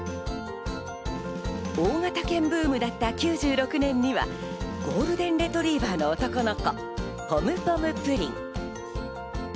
大型犬ブームだった９６年にはゴールデンレトリーバーの男の子、ポムポムプリン。